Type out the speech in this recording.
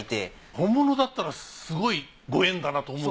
本物だったらすごいご縁だなと思う。